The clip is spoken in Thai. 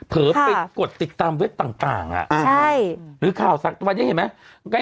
เผลอไปกดติดตามเว็บต่างหรือข่าววันนี้เห็นไหม